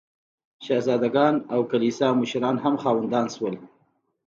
شهزاده ګان او کلیسا مشران هم خاوندان شول.